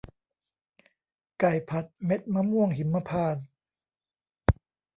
ไก่ผัดเม็ดมะม่วงหิมพานต์